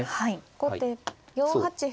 後手４八歩。